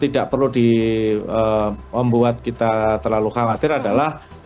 tidak perlu membuat kita terlalu khawatir adalah